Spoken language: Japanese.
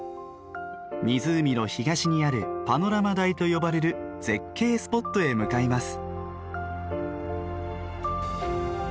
湖の東にある「パノラマ台」と呼ばれる絶景スポットへ向かいます。